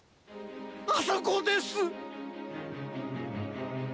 あそこです！